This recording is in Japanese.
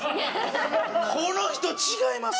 この人違います？